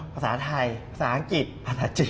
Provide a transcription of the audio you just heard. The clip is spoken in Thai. ภาษาไทยภาษาอังกฤษภาษาจีน